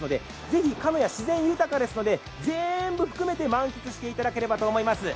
ぜひ鹿屋は自然豊かですので全部を含めて満喫していただければと思います。